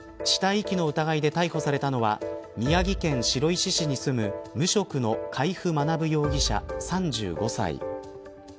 死体遺棄の疑いで逮捕されたのは宮城県白石市に住む無職の海部学容疑者、３５歳。